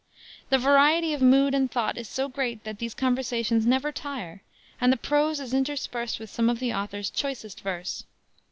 The variety of mood and thought is so great that these conversations never tire, and the prose is interspersed with some of the author's choicest verse.